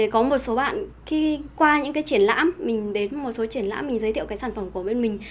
có một số bạn khi qua những cái triển lãm mình đến một số triển lãm mình giới thiệu cái sản phẩm của bên mình